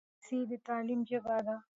انګلیسي د تعلیم ژبه ده